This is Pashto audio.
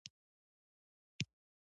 ډېر په غوسه وم، ټول بې عقله دي.